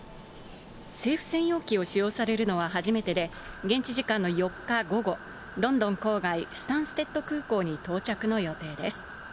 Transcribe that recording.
政府専用機を使用されるのは初めてで、現地時間の４日午後、ロンドン郊外スタンステッド空港に到着の予定です。